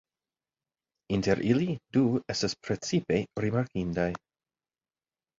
Inter ili, du estas precipe rimarkindaj.